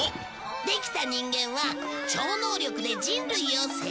できた人間は超能力で人類を征服しちゃう